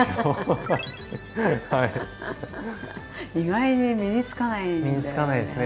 意外に身につかないんだよね。